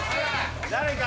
誰か？